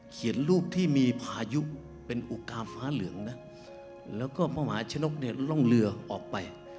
รูปที่มีพายุเป็นอุกามฟ้าเหลืองนะแล้วก็มหาชนกเนี่ยร่องเรือออกไป